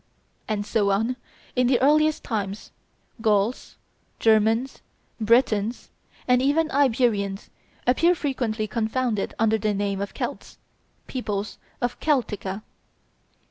And so, in the earliest times, Gauls, Germans, Bretons, and even Iberians, appear frequently confounded under the name of Celts, peoples of Celtica.